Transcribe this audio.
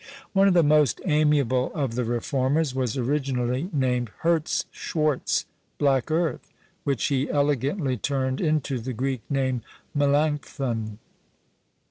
One of the most amiable of the reformers was originally named Hertz Schwartz (black earth), which he elegantly turned into the Greek name Melancthon.